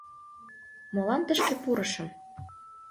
Молан тышке пурышым?